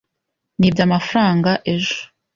Nibye amafaranga ejo.